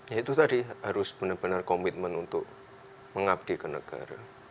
ya itu tadi harus benar benar komitmen untuk mengabdi ke negara